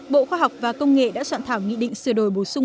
bộ khoa học và công nghệ đã soạn thảo nghị định sửa đổi bổ sung